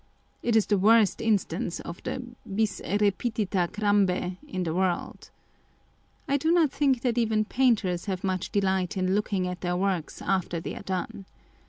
It is the worst instance of the bis repetita crambe in the world. I do not think that even painters have much delight in looking at their works after they are done.